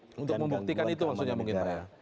untuk membuktikan itu maksudnya mungkin pak ya